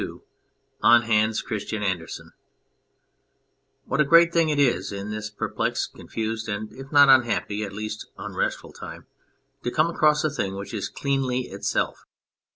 148 HANS CHRISTIAN ANDERSEN WHAT a great thing it is in this perplexed, con fused, and, if not unhappy at least unrestful time, to come across a thing which is cleanly itself